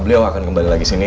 beliau akan kembali lagi sini